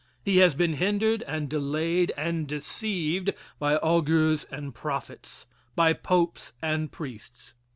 He has been hindered and delayed and deceived by augurs and prophets by popes and priests.